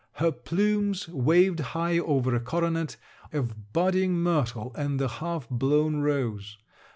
Her plumes waved high over a coronet, of budding myrtle and the half blown rose.